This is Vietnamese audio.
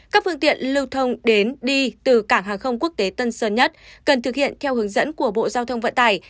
các phương tiện lưu thông đến đi từ cảng hàng không quốc tế tân sơn nhất cần thực hiện theo hướng dẫn của bộ giao thông vận tải